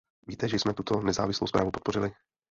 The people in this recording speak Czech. Víte, že jsme tuto nezávislou zprávu podpořili.